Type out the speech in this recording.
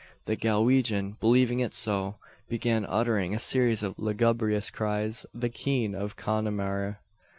The Galwegian, believing it so, began uttering a series of lugubrious cries the "keen" of Connemara.